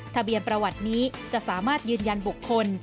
ทะเบียนประวัตินี้จะสามารถยืนยันบุคคล